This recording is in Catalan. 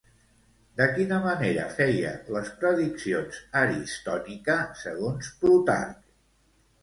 De quina manera feia les prediccions Aristònica segons Plutarc?